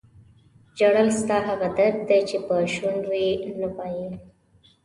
ژړل ستا هغه درد دی چې په شونډو یې نه وایې.